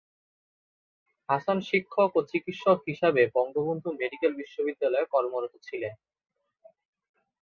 হাসান শিক্ষক ও চিকিৎসক হিসাবে বঙ্গবন্ধু মেডিকেল বিশ্ববিদ্যালয়ে কর্মরত ছিলেন।